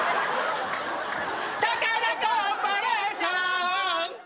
タカダ・コーポレーション！